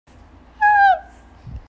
啊～